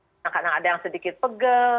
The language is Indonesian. kadang kadang ada yang sedikit pegel